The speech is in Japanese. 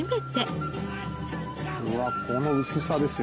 うわこの薄さですよ。